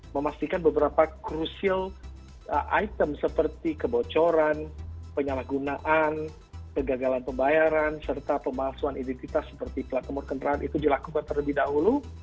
memastikan beberapa crucial item seperti kebocoran penyalahgunaan pegagalan pembayaran serta pemasuhan identitas seperti kelahumur kenteraan itu dilakukan terlebih dahulu